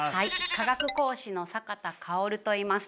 化学講師の坂田薫といいます。